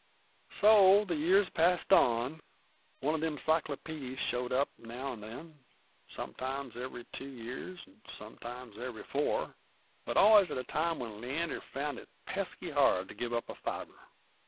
So the years passed on, one of them cyclopeedies showin' up now 'nd then, sometimes every two years 'nd sometimes every four, but allus at a time when Leander found it pesky hard to give up a fiver.